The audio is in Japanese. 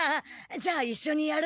じゃあいっしょにやる？